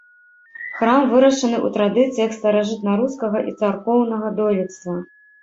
Храм вырашаны ў традыцыях старажытнарускага царкоўнага дойлідства.